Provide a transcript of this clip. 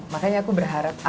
makanya aku berharap